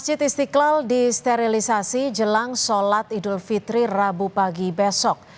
sudah ada recana sholat urami sama bukur bapak